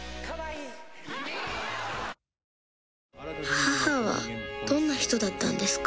母はどんな人だったんですか？